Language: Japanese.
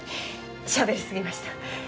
しゃべりすぎました。